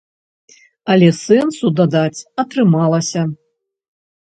Але сэнсу дадаць атрымалася.